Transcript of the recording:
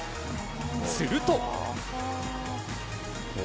すると。